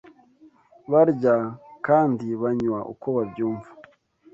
barya kandi banywa uko babyumva